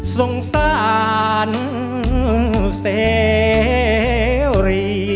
สงสาร